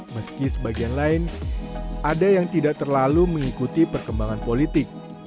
meski sebagian lain ada yang tidak terlalu mengikuti perkembangan politik